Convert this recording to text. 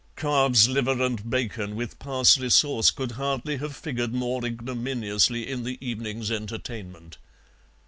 Calves' liver and bacon, with parsley sauce, could hardly have figured more ignominiously in the evening's entertainment.